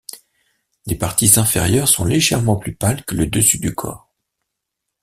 Les parties inférieures sont légèrement plus pâles que le dessus du corps.